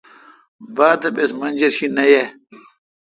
با تاپوس منجرشی نہ یا۔